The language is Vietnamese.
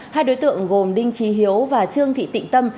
hai đối tượng gồm đinh trí hiếu và trương thị tịnh tâm